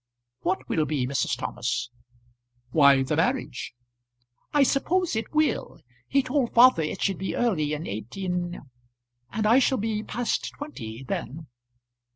"What will be, Mrs. Thomas?" "Why, the marriage." "I suppose it will. He told father it should be early in 18 , and I shall be past twenty then."